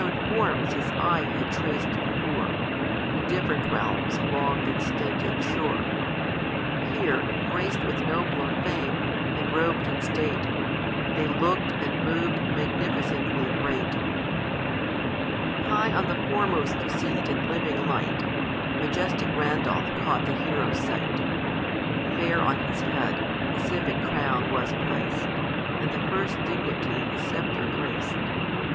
n forms his eye had trac'd before, In dift^'rent realms along tli' extended shore ; Here, grac'd with nobler fame, and rob'd in statCj They look'd and mov'd magnificently great. High on the foremost seat, in living light, Majestic Randolph caught the hero's sight :, Fair on his head, the civic crown was plac'd, And the first dignity his sceptre grac'd.